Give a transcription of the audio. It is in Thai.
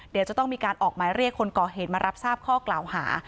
เดี๋ยวจะต้องมีการออกหมายเรียกคนก่อเหตุมารับทราบข้อกล่าวหา